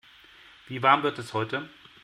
Wie warm wird es heute?